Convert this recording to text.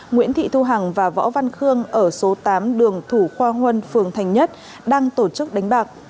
nguyễn thị thu hằng và võ văn khương ở số tám đường thủ khoa huân phường thành nhất đang tổ chức đánh bạc